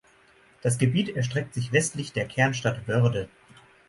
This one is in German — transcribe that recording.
Das Gebiet erstreckt sich westlich der Kernstadt Voerde.